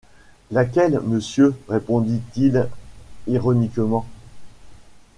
Laquelle, monsieur ? répondit-il ironiquement.